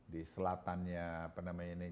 di selatannya apa namanya ini